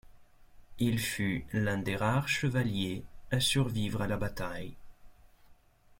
Il fut l'un des rares chevaliers à survivre à la bataille.